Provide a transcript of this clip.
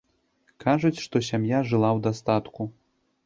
Кажуць, што сям'я жыла ў дастатку.